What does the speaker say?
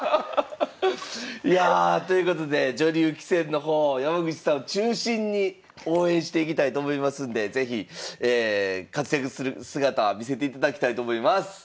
いやということで女流棋戦の方山口さん中心に応援していきたいと思いますんで是非活躍する姿見せていただきたいと思います。